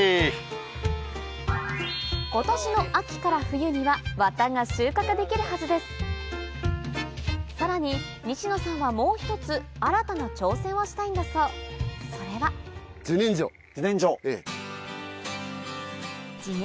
今年の秋から冬にはワタが収穫できるはずですさらに西野さんはもう一つ新たな挑戦をしたいんだそうそれは自然薯。